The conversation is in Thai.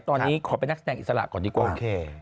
ตอนนี้ขอเป็นนักแสดงอิสระก่อนดีกว่าโอเค